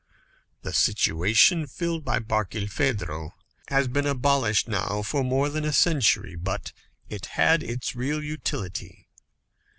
The situation filled by Barkilphedro has been abolished more than a century, but it had its real utility.